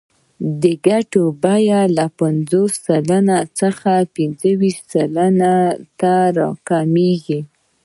د ګټې بیه له پنځوس سلنې څخه پنځه ویشت سلنې ته راکمېږي